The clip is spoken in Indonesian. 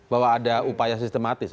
bahwa ada upaya sistematis